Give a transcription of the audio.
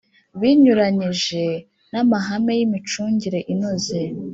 Binyuranyije n’ amahame y ‘imicungire inoze.